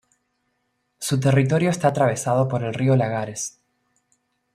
Su territorio está atravesado por el río Lagares.